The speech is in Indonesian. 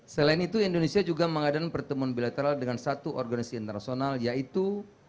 selain itu indonesia juga mengadakan pertemuan bilateral dengan satu organisasi internasional yaitu